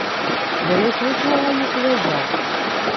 D aya swaswa i uḥwajeɣ.